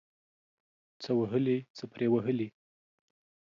څه وهلي ، څه پري وهلي.